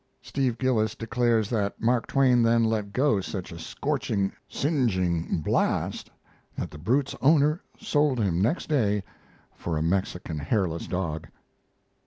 Steve Gillis declares that Mark Twain then let go such a scorching, singeing blast that the brute's owner sold him next day for a Mexican hairless dog.